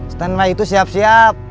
standby itu siap siap